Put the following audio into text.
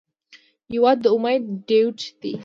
هېواد د امید ډیوټ دی.